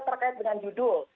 itu terkait dengan judul